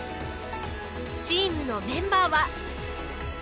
チームのメンバーは。